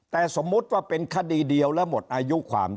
แต่สมมุติว่าเป็นคดีเดียวแล้วหมดอายุความ